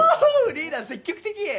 リーダー積極的！